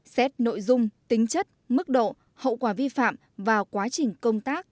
xét nội dung tính chất mức độ hậu quả vi phạm và quá trình công tác